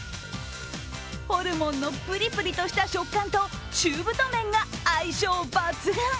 ホルモンのプリプリとした食感と中太麺が相性抜群。